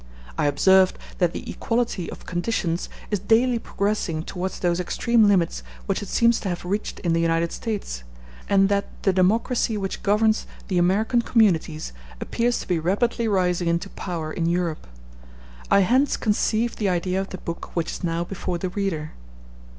I observed that the equality of conditions is daily progressing towards those extreme limits which it seems to have reached in the United States, and that the democracy which governs the American communities appears to be rapidly rising into power in Europe. I hence conceived the idea of the book which is now before the reader.